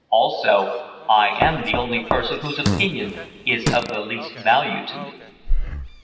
"Also I am the only person whose opinion is of the least value to me."